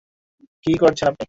কী করেছেন আপনি?